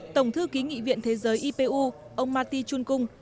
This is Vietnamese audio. tổng thư ký nghị viện thế giới ipu ông marty chunkung